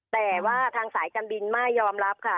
แต่ว่าทางสายการบินไม่ยอมรับค่ะ